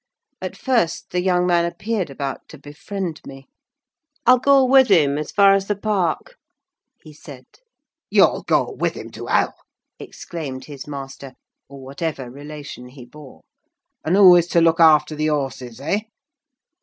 At first the young man appeared about to befriend me. "I'll go with him as far as the park," he said. "You'll go with him to hell!" exclaimed his master, or whatever relation he bore. "And who is to look after the horses, eh?"